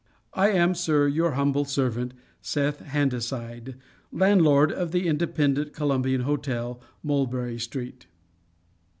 I am, Sir, your humble servant, SETH HANDASIDE, Landlord of the Independent Columbian Hotel, Mulberry Street.